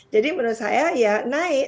jadi menurut saya ya naik